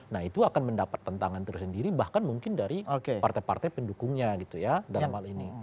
nah itu akan mendapat tentangan tersendiri bahkan mungkin dari partai partai pendukungnya gitu ya dalam hal ini